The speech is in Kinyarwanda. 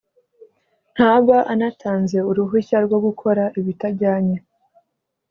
ntaba anatanze uruhushya rwo gukora ibitajyanye